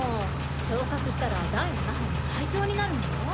昇格したら第七班の隊長になるのよ。